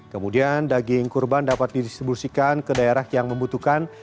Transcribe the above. kemudian daging kurban dapat didistribusikan ke daerah yang membutuhkan